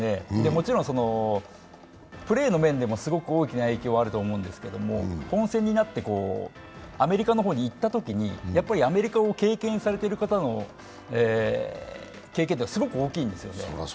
もちろんプレーの面でもすごく大きな影響があると思いますが本戦になってアメリカの方に行ったときに、アメリカを経験されている方の経験は、すごく大きいんですよね。